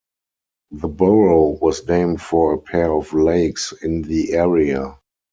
The borough was named for a pair of lakes in the area.